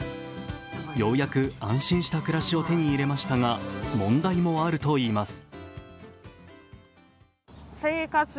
ようやく安心した暮らしを手に入れましたが問題もあるといいます。